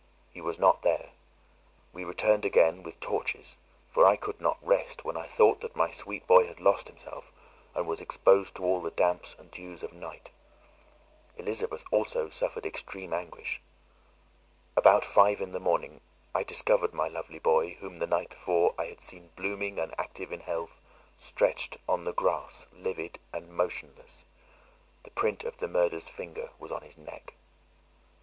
He was not there. We returned again, with torches; for I could not rest, when I thought that my sweet boy had lost himself, and was exposed to all the damps and dews of night; Elizabeth also suffered extreme anguish. About five in the morning I discovered my lovely boy, whom the night before I had seen blooming and active in health, stretched on the grass livid and motionless; the print of the murder's finger was on his neck.